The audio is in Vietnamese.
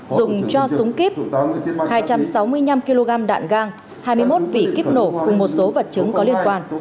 dùng cho súng kíp hai trăm sáu mươi năm kg đạn gang hai mươi một vị kiếp nổ cùng một số vật chứng có liên quan